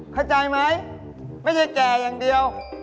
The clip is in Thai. เข้าใจไหมไม่ใช่แก่อย่างเดียว